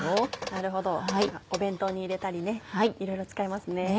なるほどお弁当に入れたりいろいろ使えますね。